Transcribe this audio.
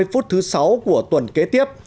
một mươi h ba mươi thứ sáu của tuần kế tiếp